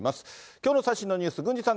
きょうの最新のニュース、郡司さ